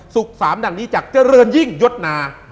สุข๓ดังนี้จากเจ้าเรือนยิ่งยดนา